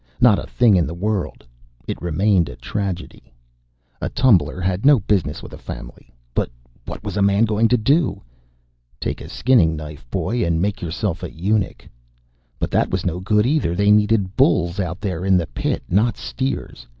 Not a thing in the world. It remained a tragedy. A tumbler had no business with a family, but what was a man going to do? Take a skinning knife, boy, and make yourself a eunuch. But that was no good either. They needed bulls out there in the pit, not steers.